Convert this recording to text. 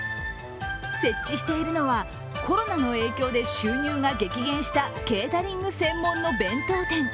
設置しているのはコロナの影響で収入が激減したケータリング専門の弁当店。